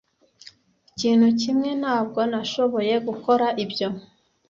Ikintu kimwe ntabwo nashoboye gukora ibyo